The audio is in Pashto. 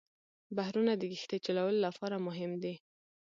بحرونه د کښتۍ چلولو لپاره مهم دي.